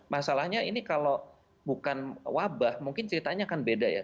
masalahnya ini kalau bukan wabah mungkin ceritanya akan beda ya